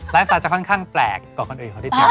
ไลฟ์สไตล์จะค่อนข้างแปลกกว่าคนอื่นเขาที่เดียว